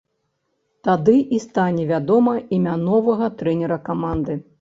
Тады і стане вядома імя новага трэнера каманды.